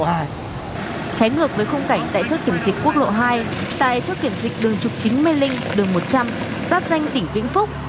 trái ngược với khung cảnh tại chốt kiểm dịch quốc lộ hai tại chốt kiểm dịch đường một mươi chín mê linh đường một trăm linh sát danh tỉnh vĩnh phúc